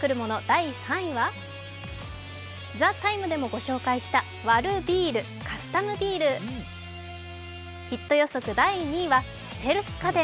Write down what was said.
第３位は「ＴＨＥＴＩＭＥ，」でもご紹介した割るビール、カスタムビール。ヒット予測第２位は、ステルス家電。